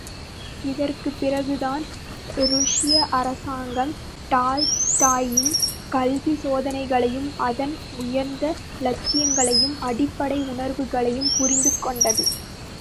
இதற்குப் பிறகுதான் ருஷ்ய அரசாங்கம், டால்ஸ்டாயின் கல்விச் சோதனைகளையும், அதன் உயர்ந்த லட்சியங்களையும், அடிப்படை உணர்வுகளையும் புரிந்து கொண்டது.